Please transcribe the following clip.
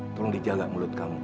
tolong dijaga mulut kamu